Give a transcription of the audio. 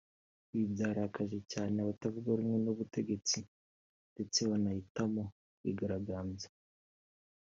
Ibi byarakaje cyane abatavuga rumwe n’ubutegetsi ndetse banahitamo kwigaragambya